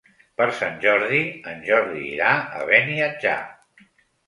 Per Sant Jordi en Jordi irà a Beniatjar.